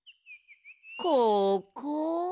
ここ。